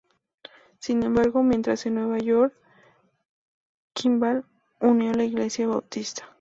Sin embargo, mientras en Nueva York, Kimball unió la Iglesia Bautista.